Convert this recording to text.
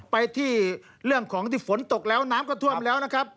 ไปที่เรื่องของที่ฝนตกแล้วน้ำก็ท่วมแล้วนะครับ